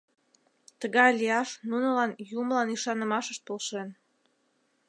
Тыгай лияш нунылан юмылан ӱшанымашышт полшен.